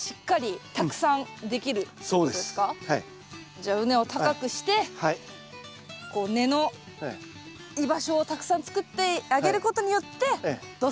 じゃあ畝を高くしてこう根の居場所をたくさん作ってあげることによってどっさり収穫が。